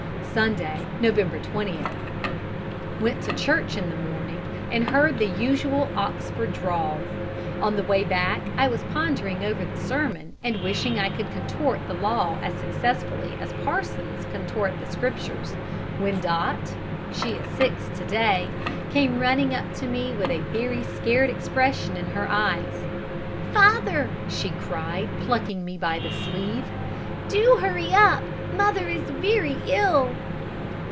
"Sunday, November 20th. Went to church in the morning and heard the usual Oxford drawl. On the way back I was pondering over the sermon and wishing I could contort the Law as successfully as parsons contort the Scriptures, when Dot she is six to day came running up to me with a very scared expression in her eyes. 'Father,' she cried, plucking me by the sleeve, 'do hurry up. Mother is very ill.'